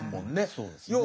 そうですね。